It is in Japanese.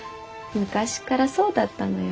昔っからそうだったのよ。